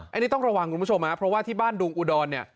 อันนี้ต้องระวังคุณผู้ชมฮะเพราะว่าที่บ้านดุงอุดรเนี่ย